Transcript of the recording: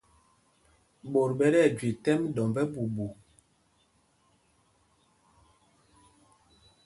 Ɓot ɓɛ tí ɛjüe tɛ́m ɗɔmb ɛ́ɓuuɓu.